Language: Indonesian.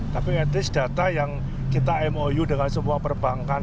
tapi etis data yang kita mou dengan semua perbankan